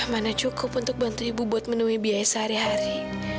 mana cukup untuk bantu ibu buat menemui biaya sehari hari